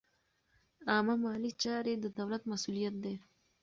عامه مالي چارې د دولت مسوولیت دی.